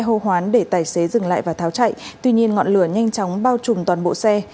hô hoán để tài xế dừng lại và tháo chạy tuy nhiên ngọn lửa nhanh chóng bao trùm toàn bộ xe